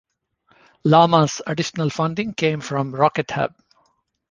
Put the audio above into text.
Lamar's additional funding came from RocketHub.